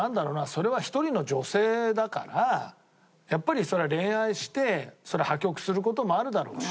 それは一人の女性だからやっぱり恋愛して破局する事もあるだろうし。